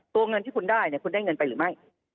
เงินที่คุณได้เนี่ยคุณได้เงินไปหรือไม่